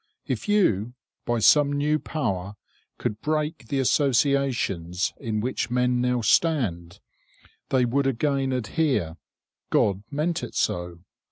If you, by some new power, could break the associations in which men now stand, they would again adhere. God meant it so.